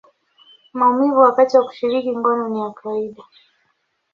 maumivu wakati wa kushiriki ngono ni ya kawaida.